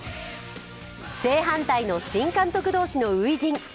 正反対の新監督同士の初陣。